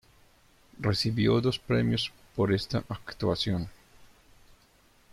Recibió dos premios por esta actuación.